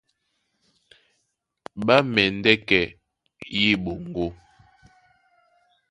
Ɓá mɛndɛ́ kɛ́ yé eɓoŋgó,